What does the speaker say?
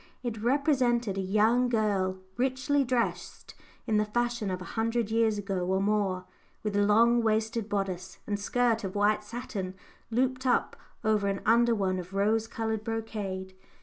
It represented a young girl, richly dressed in the fashion of a hundred years ago or more, with long waisted bodice, and skirt of white satin, looped up over an under one of rose coloured brocade.